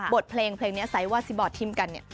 บทเพลงนี้ไซวาซีบอร์ดทิมกัน